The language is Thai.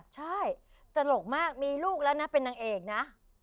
ใช่ตลกมากมีลูกแล้วนะเป็นนางเอกนะ